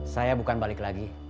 saya bukan balik lagi